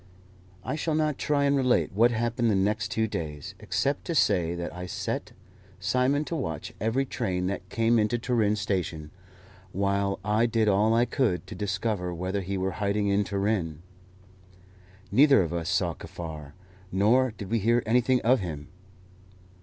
I shall not try and relate what happened the next two days, except to say that I set Simon to watch every train that came into Turin station, while I did all I could to discover whether he were hiding in Turin. Neither of us saw Kaffar, nor did we hear anything of him.